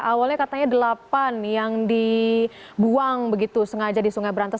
awalnya katanya delapan yang dibuang begitu sengaja di sungai berantas